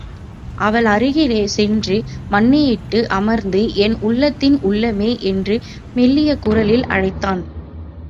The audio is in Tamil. அவள் அருகிலே சென்று மண்டியிட்டு அமர்ந்து, என் உள்ளத்தின் உள்ளமே. என்று மெல்லிய குரலில் அழைத்தான்.